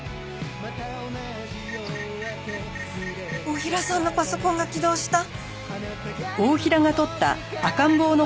太平さんのパソコンが起動した！